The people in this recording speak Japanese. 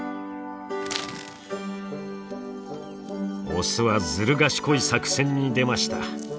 オスはずる賢い作戦に出ました。